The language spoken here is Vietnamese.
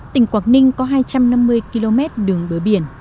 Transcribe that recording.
tỉnh quảng ninh có hai trăm năm mươi km đường bờ biển